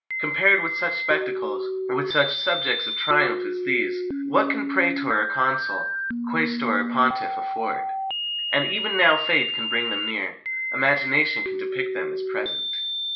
Compared with such spectacles, with such subjects of triumph as these, what can praetor or consul, quaestor or pontiff, afford? And even now faith can bring them near, imagination can depict them as present."